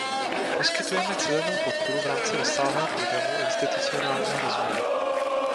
Poskytujeme cílenou podporu v rámci rozsáhlého programu institucionálního rozvoje.